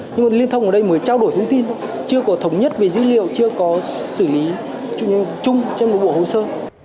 nhưng mà liên thông ở đây mới trao đổi thông tin chưa có thống nhất về dữ liệu chưa có xử lý chung trên một bộ hồ sơ